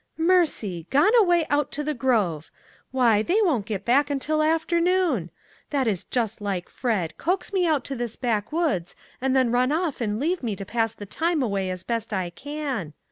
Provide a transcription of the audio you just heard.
" Mercy ! gone away out to the grove. Why, they won't get back until afternoon. That is just like Fred, coax me out to this backwoods and then run off and leave me to pass the time away as best I can.